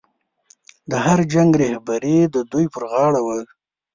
د هر جنګ رهبري د دوی پر غاړه وه.